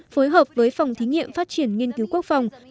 phối hợp với phòng thí nghiệm phát triển nghiên cứu quốc phòng